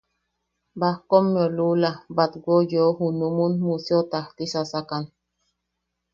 Bahkommeu luula batweu yeu junum Museo tajtia sasakan.